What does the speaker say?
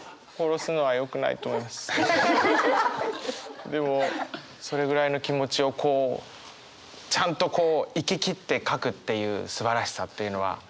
あのでもそれぐらいの気持ちをこうちゃんとこういききって書くっていうすばらしさっていうのはありますよね。